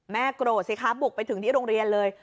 โกรธสิคะบุกไปถึงที่โรงเรียนเลย